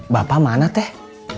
bapak mana teh